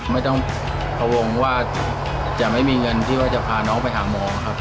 ไม่ต้องพวงว่าจะไม่มีเงินที่ว่าจะพาน้องไปหาหมอครับ